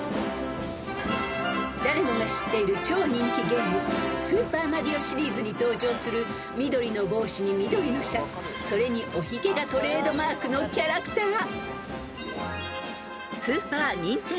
［誰もが知っている超人気ゲーム『スーパーマリオ』シリーズに登場する緑の帽子に緑のシャツそれにおひげがトレードマークのキャラクター］